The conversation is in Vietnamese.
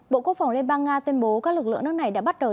bộ quốc phòng liên bang nga tuyên bố các lực lượng nước này đã bắt đầu